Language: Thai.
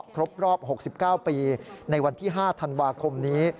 ครบรอบ๖๙ปีในวันที่๕ธันวาคมนี้